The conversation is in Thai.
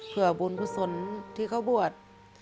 เพื่อบุญกุศลที่เขาบวช